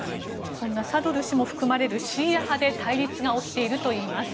そんなサドル師も含まれるシーア派で対立が起きているといいます。